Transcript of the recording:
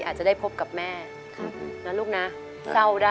จะได้พบกับแม่เนอะลูกนะ